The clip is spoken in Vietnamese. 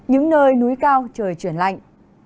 hơi núi cao trời chuyển lạnh